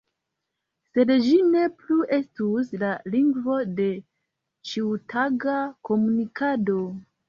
Sed ĝi ne plu estus la lingvo de ĉiutaga komunikado.